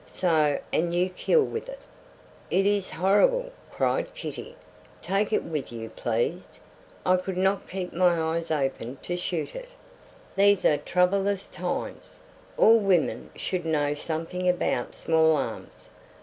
So, and you kill with it." "It is horrible!" cried Kitty. "Take it with you please. I could not keep my eyes open to shoot it." "These are troublous times. All women should know something about small arms.